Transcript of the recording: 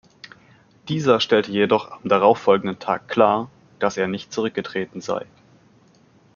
Dieser stellte jedoch am darauffolgenden Tag klar, dass er nicht zurückgetreten sei.